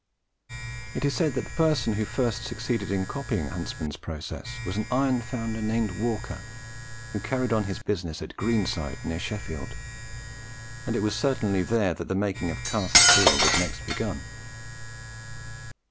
It is said that the person who first succeeded in copying Huntsman's process was an ironfounder named Walker, who carried on his business at Greenside near Sheffield, and it was certainly there that the making of cast steel was next begun.